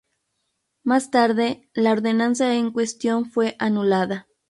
Más tarde, la ordenanza en cuestión fue anulada.